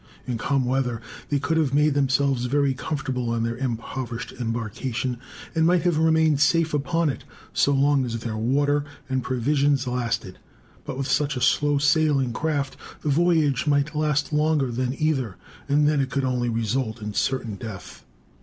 In calm weather they could have made themselves very comfortable on their improvised embarkation; and might have remained safe upon it, so long as their water and provisions lasted. But with such a slow sailing craft the voyage might last longer than either; and then it could only result in certain death.